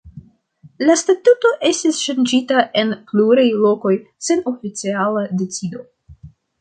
La statuto estis ŝanĝita en pluraj lokoj sen oficiala decido.